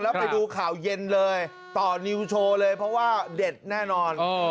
แล้วไปดูข่าวเย็นเลยต่อนิวโชว์เลยเพราะว่าเด็ดแน่นอน